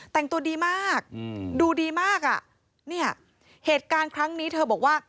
แต่งตัวดีมากอืมดูดีมากอ่ะเนี่ยเหตุการณ์ครั้งนี้เธอบอกว่า